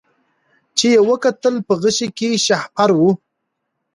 چي یې وکتل په غشي کي شهپر وو